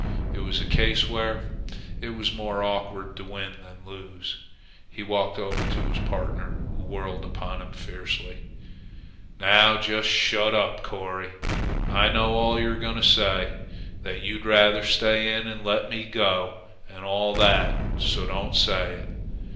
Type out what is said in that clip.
It was a case where it was more awkward to win than lose. He walked over to his partner, who whirled upon him fiercely: "Now you just shut up, Corry! I know all you're going to say that you'd rather stay in and let me go, and all that; so don't say it.